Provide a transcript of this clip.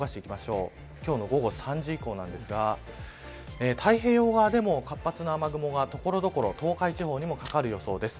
今日の午後３時以降なんですが太平洋側でも活発な雨雲が所々東海地方にも掛かる予想です。